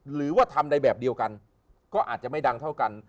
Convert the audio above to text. หรือว่าทำได้แบบเดียวกันก็อาจจะไม่ดังเท่ากัน